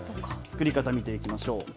作り方見ていきましょう。